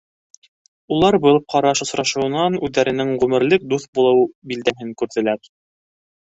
Улар был ҡараш осрашыуынан үҙҙәренең ғүмерлек дуҫ булыу билдәһен күрҙеләр.